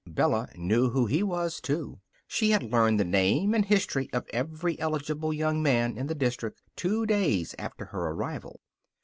Bella knew who he was, too. She had learned the name and history of every eligible young man in the district two days after her arrival.